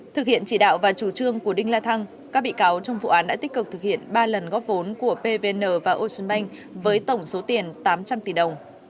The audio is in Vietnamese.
thực hiện chỉ đạo và chủ trương của đinh la thăng các bị cáo trong vụ án đã tích cực thực hiện ba lần góp vốn của pvn và ocean bank với tổng số tiền tám trăm linh tỷ đồng